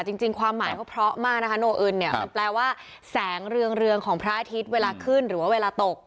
จริงความหมายเขาเพราะมากนะคะโนอึนเนี่ยมันแปลว่าแสงเรืองของพระอาทิตย์เวลาขึ้นหรือว่าเวลาตก